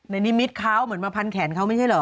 นิมิตเขาเหมือนมาพันแขนเขาไม่ใช่เหรอ